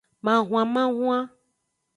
Mahwanmahwan.